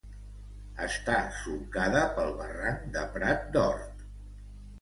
Està solcada pel barranc de Prat d'Hort.